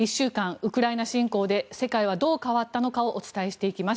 ウクライナ侵攻で世界はどう変わったのかをお伝えしていきます。